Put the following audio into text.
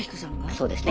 そうですね。